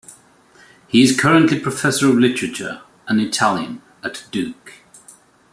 He is currently professor of Literature and Italian at Duke.